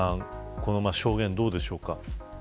この証言どうでしょうか。